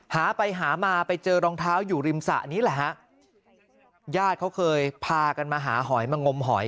หาไปหามาไปเจอรองเท้าอยู่ริมสระนี้แหละฮะญาติเขาเคยพากันมาหาหอยมางมหอย